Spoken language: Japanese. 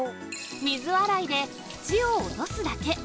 水洗いで、土を落とすだけ。